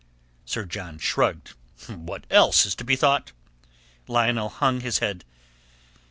Sir John shrugged. "What else is to be thought?" Lionel hung his head.